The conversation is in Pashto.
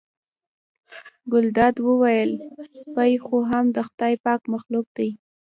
ګلداد وویل سپی خو هم د خدای پاک مخلوق دی.